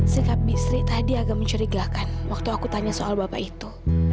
sikap bisri tadi agak mencurigakan waktu aku tanya soal bapak itu